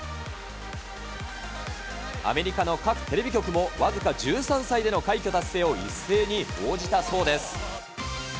アメリカの各テレビ局も、僅か１３歳での快挙達成を一斉に報じたそうです。